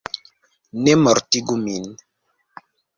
Ne mortigu min!